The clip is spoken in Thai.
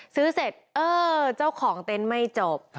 แล้วเสร็จเออเจ้าของเต้นไม่จบ